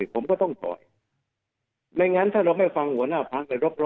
ผมก็ต้องถอยไม่แนะงั้นว่าเราไม่ฟังหัวหน้าพรรค